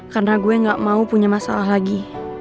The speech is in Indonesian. karena gue gak mau punya masalah lagi